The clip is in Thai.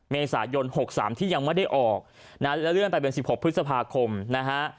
เมษายนหกสามที่ยังไม่ได้ออกนะและเลื่อนไปเป็นสิบหกพฤษภาคมนะฮะ